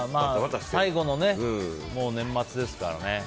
最後の年末ですからね。